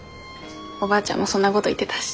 おばあちゃんもそんなごど言ってたし。